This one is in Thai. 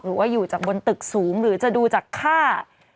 หรือว่าอยู่จากบนตึกสูงหรือจะดูจากค่า